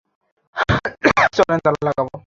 চলেন, তালা লাগাবো।